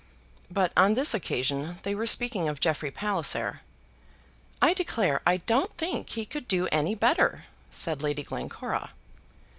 But on this occasion they were speaking of Jeffrey Palliser. "I declare I don't think he could do any better," said Lady Glencora.